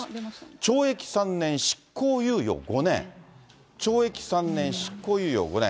懲役３年執行猶予５年、懲役３年執行猶予５年。